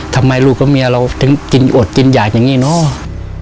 ทำไมลูกกับเมียเรามีอดกินอย่างนี้เนาะ